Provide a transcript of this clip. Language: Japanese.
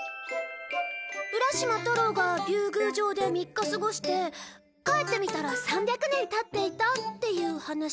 浦島太郎が竜宮城で３日過ごして帰ってみたら３００年経っていたっていう話？